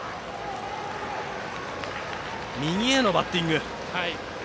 右へのバッティング。